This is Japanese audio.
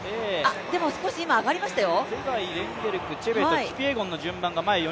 でも今、少し上がりましたよ。